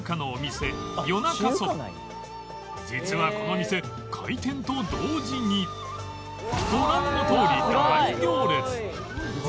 実はこの店開店と同時にご覧のとおり大行列！